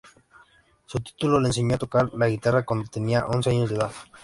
Su tío le enseñó a tocar la guitarra cuándo tenía once años de edad.